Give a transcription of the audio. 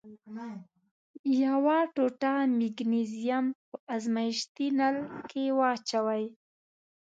یوه ټوټه مګنیزیم په ازمیښتي نل کې واچوئ.